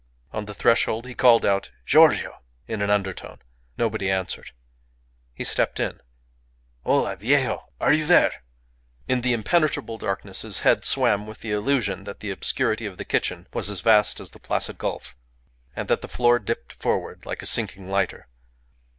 On the threshold he called out "Giorgio!" in an undertone. Nobody answered. He stepped in. "Ola! viejo! Are you there? ..." In the impenetrable darkness his head swam with the illusion that the obscurity of the kitchen was as vast as the Placid Gulf, and that the floor dipped forward like a sinking lighter.